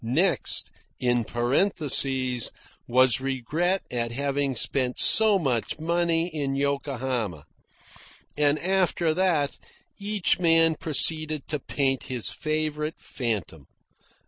Next, in parentheses, was regret at having spent so much money in Yokohama. And after that, each man proceeded to paint his favourite phantom.